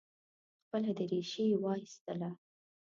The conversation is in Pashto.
خپله درېشي یې وایستله.